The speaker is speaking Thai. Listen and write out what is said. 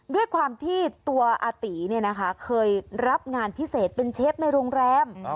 ด้วยความที่ตัวอาตีเคยรับงานพิเศษเป็นเชฟในโรงแรม